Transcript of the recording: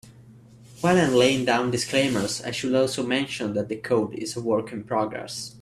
While I'm laying down disclaimers, I should also mention that the code is a work in progress.